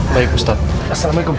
baik ustadz assalamu'alaikum